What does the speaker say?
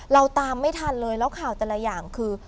เราตามไม่ทันเลยแล้วข่าวแต่ละอย่างคือ